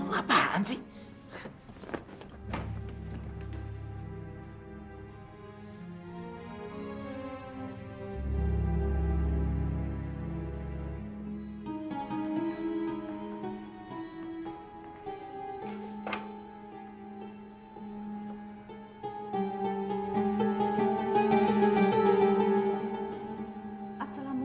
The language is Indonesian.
kalau tvb yang memakaikannya